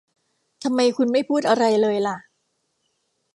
ทำไมคุณไม่พูดอะไรเลยล่ะ